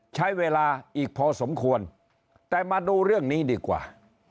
ใช้เวลาอีกพอสมควรแต่มาดูเรื่องนี้ดีกว่า